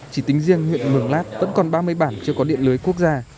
chỉ tính riêng huyện mường lát vẫn còn ba mươi bản chưa có điện lưới quốc gia